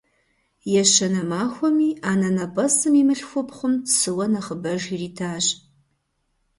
Ещанэ махуэми анэнэпӀэсым и мылъхупхъум цыуэ нэхъыбэж иритащ.